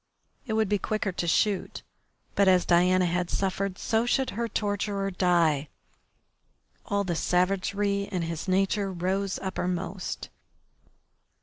It would be quicker to shoot, but as Diana had suffered so should her torturer die. All the savagery in his nature rose uppermost.